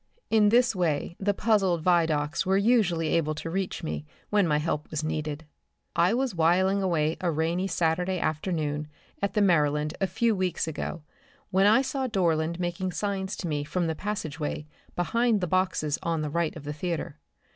In this way the puzzled Vidocqs were usually able to reach me when my help was needed. I was whiling away a rainy Saturday afternoon at the Maryland a few weeks ago when I saw Dorland making signs to me from the passageway behind the boxes on the right of the theatre.